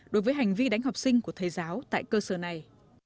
đối với hành vi đánh học sinh của thầy giáo tại cơ sở này